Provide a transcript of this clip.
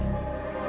terima kasih tante